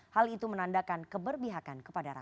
hal itu menandakan keberbihakan kepada rakyat